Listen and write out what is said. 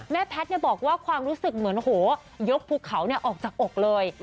แม่แพทย์เนี่ยบอกว่าความรู้สึกเหมือนโอ้โหยกพุกเขาเนี่ยออกจากอกเลย